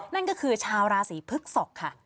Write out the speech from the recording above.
นั่นก็คือชาวราศีพฤกษกค่ะ